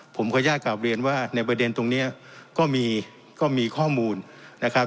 ผมขออนุญาตกลับเรียนว่าในประเด็นตรงนี้ก็มีก็มีข้อมูลนะครับ